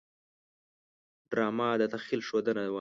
ډرامه د تخیل ښودنه ده